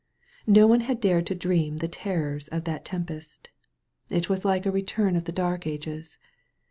No one had dared to dream the terrors of that tempest. It was like a return of the Dark Ages.